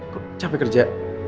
kok capek kerja